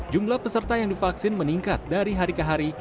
jumlah peserta yang divaksin meningkat dari hari ke hari